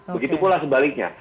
begitu pula sebaliknya